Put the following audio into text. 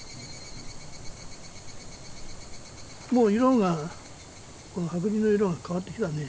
もう色が白磁の色が変わってきたね。